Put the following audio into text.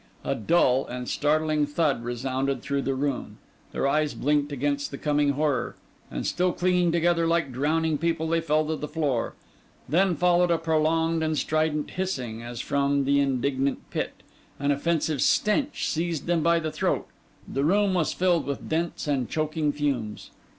A dull and startling thud resounded through the room; their eyes blinked against the coming horror; and still clinging together like drowning people, they fell to the floor. Then followed a prolonged and strident hissing as from the indignant pit; an offensive stench seized them by the throat; the room was filled with dense and choking fumes.